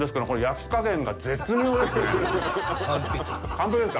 完璧ですか！